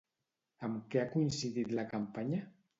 Amb què ha coincidit la campanya?